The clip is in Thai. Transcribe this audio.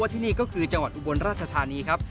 ที่นี่ก็คือจังหวัดอุบลราชธานีครับ